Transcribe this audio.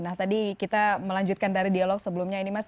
nah tadi kita melanjutkan dari dialog sebelumnya ini mas